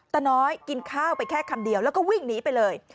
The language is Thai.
ตาน้อยกินข้าวไปแค่คำเดียวแล้วก็วิ่งหนีไปเลย